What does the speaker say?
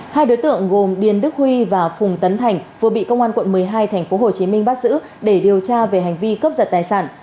hai đối tượng gồm điền đức huy và phùng tấn thành vừa bị công an quận một mươi hai tp hcm bắt giữ để điều tra về hành vi cướp giật tài sản